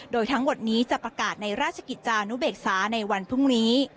โดยทั้งหมดนี้จะประกาศในราชกิจจานุเบกษาในวันพรุ่งนี้